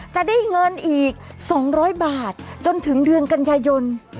จะได้เงินอีก๒๐๐บาทจนถึงเดือนกันยายน